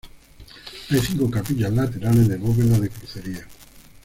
Hay cinco capillas laterales de bóveda de crucería.